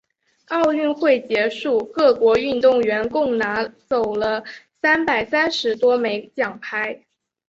奥运会结束，各国运动员共拿走了三百三十多枚奖牌。